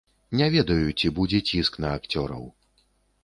Не ведаю, ці будзе ціск на акцёраў.